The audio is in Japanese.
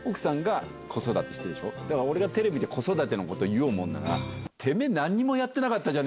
だから俺がテレビで子育てのこと言おうもんなら。